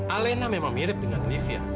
alena memang mirip dengan livia